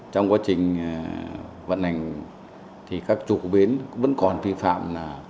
trong quá trình vận hành các chủ của bến vẫn còn vi phạm